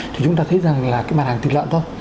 thì chúng ta thấy rằng là cái mặt hàng thịt lợn thôi